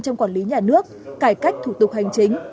trong quản lý nhà nước cải cách thủ tục hành chính